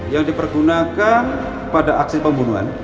yang dipergunakan pada aksi pembunuhan